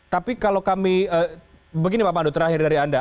tapi kalau kami begini pak pandu terakhir dari anda